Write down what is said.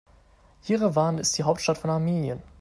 Jerewan ist die Hauptstadt von Armenien.